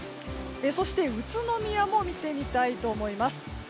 そして、宇都宮も見てみたいと思います。